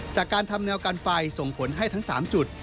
จากการทำแนวกันไฟส่งผลให้ทั้ง๓จุด